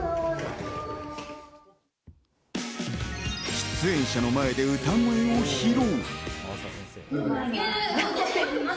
出演者の前で歌声を披露。